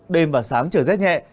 đêm và sáng trở rét nhẹ